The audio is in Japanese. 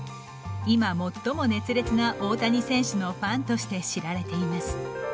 今最も熱烈な大谷選手のファンとして知られています。